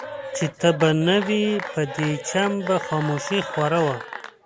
چي ته به نه وې په دې چم به خاموشي خوره وه